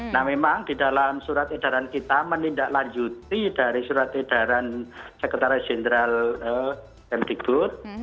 nah memang di dalam surat edaran kita menindaklanjuti dari surat edaran sekretaris jenderal kemdikbud